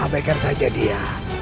apakah saja dia